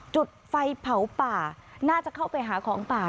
จุดไฟเผาป่าน่าจะเข้าไปหาของป่า